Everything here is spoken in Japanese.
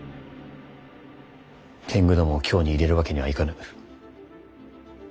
天狗どもを京に入れるわけにはいかぬ。